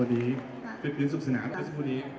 สวัสดีครับสวัสดีครับสวัสดีครับ